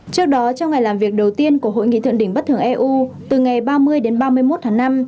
trước đó trong ngày làm việc đầu tiên của hội nghị thượng đỉnh bất thường eu từ ngày ba mươi đến ba mươi một tháng năm